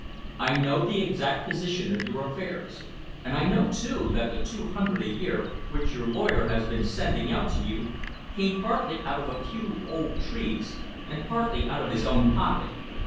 I know the exact position of your affairs, and I know, too, that the two hundred a year which your lawyer has been sending out to you came partly out of a few old trees and partly out of his own pocket.